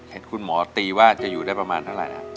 เห็นคุณหมอตีว่าจะอยู่ได้ประมาณเท่าไหร่